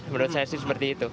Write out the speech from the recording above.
menurut saya sih seperti itu